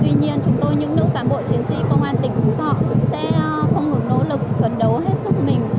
tuy nhiên chúng tôi những nữ cán bộ chiến sĩ công an tỉnh phú thọ cũng sẽ không ngừng nỗ lực phấn đấu hết sức mình